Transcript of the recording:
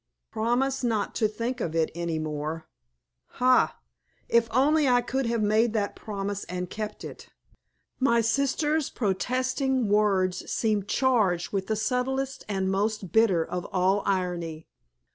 Promise not to think of it any more? Ah! if only I could have made that promise and kept it. My sister's protesting words seemed charged with the subtlest and most bitter of all irony.